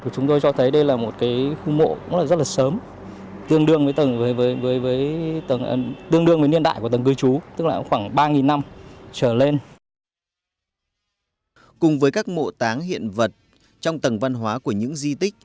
cùng với các mộ táng hiện vật trong tầng văn hóa của những di tích